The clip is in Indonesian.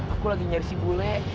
aku lagi nyari si bule